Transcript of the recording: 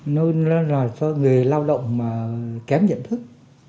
nó làm cho người lao động mà kém nhận thức